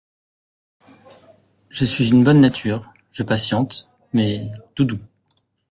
Je suis une bonne nature, Je patiente, mais… tout doux !